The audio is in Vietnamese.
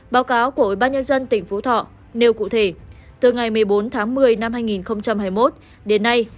báo cáo của ủy ban nhân dân tỉnh phú thọ nêu cụ thể từ ngày một mươi bốn một mươi hai nghìn hai mươi một đến nay